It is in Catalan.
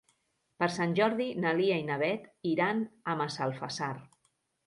Per Sant Jordi na Lia i na Beth iran a Massalfassar.